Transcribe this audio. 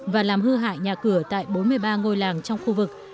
và làm hư hại nhà cửa tại bốn mươi ba ngôi làng trong khu vực